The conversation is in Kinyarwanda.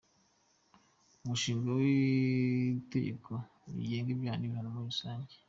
Umushinga w’Itegeko riteganya ibyaha n’ibihano muri rusange;.